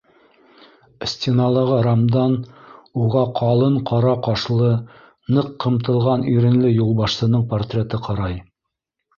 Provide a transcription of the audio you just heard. Стеналағы рамдан уға ҡалын ҡара ҡашлы, ныҡ ҡымтылған иренле юлбашсының портреты ҡарай.